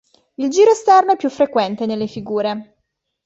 Il giro esterno è più frequente nelle figure.